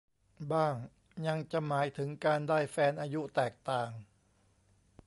บ้างยังจะหมายถึงการได้แฟนอายุแตกต่าง